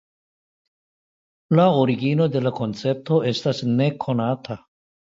La origino de la koncepto estas nekonata.